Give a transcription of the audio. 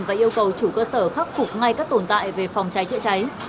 và yêu cầu chủ cơ sở khắc phục ngay các tồn tại về phòng cháy chữa cháy